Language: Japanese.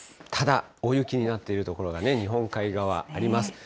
ただ、大雪になっている所がね、日本海側、あります。